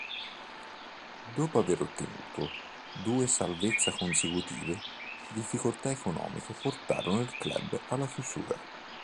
Dopo aver ottenuto due salvezza consecutive difficoltà economiche portarono il club alla chiusura.